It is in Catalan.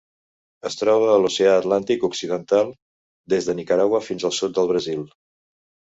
Es troba a l'Oceà Atlàntic occidental: des de Nicaragua fins al sud del Brasil.